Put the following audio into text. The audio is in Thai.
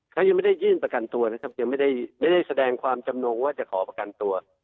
เขายังไม่ได้ยื่นประกันตัวนะครับยังไม่ได้แสดงความจำนงว่าจะขอประกันตัว